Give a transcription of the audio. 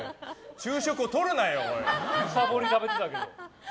昼食をとるなよ。